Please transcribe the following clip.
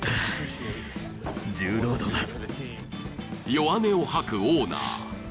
［弱音を吐くオーナー］